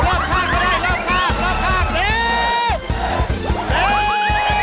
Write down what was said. เราเริ่มมากก็ได้เร่มขาดเร่มขาด